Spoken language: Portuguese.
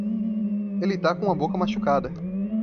Ele tá com a boca machucada.